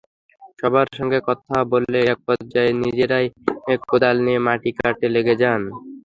সবার সঙ্গে কথা বলে একপর্যায়ে নিজেরাই কোদাল নিয়ে মাটি কাটতে লেগে যান।